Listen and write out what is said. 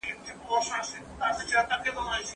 نړۍ سره د افغانانو ارتباط اسانه سوی و.